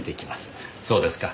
そうですか。